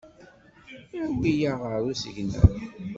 Awi-aɣ ɣer usegnaf.